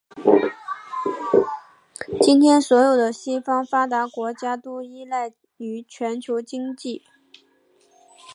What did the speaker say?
今天所有的西方发达国家都依赖于全球经济。